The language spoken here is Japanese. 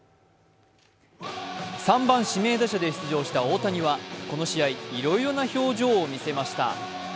３番・指名打者で出場した大谷はこの試合、いろいろな表情を見せました。